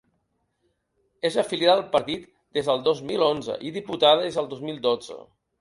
És afiliada al partit des del dos mil onze i diputada des del dos mil dotze.